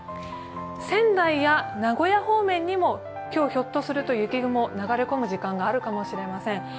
仙台や名古屋方面にも今日ひょっとすると雪雲、流れ込む時間があるかもしれません。